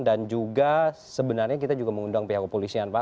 dan juga sebenarnya kita juga mengundang pihak kepolisian pak